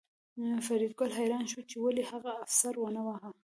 فریدګل حیران شو چې ولې هغه افسر ونه واهه